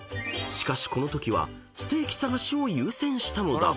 ［しかしこのときはステーキ探しを優先したのだ］